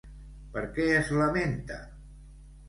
Per què es lamenta?